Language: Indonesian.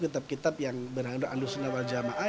kitab kitab yang berhalun aluh sunnah wal jamaah